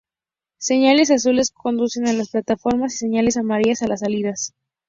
Señales azules conducen a las plataformas y señales amarillas a las salidas.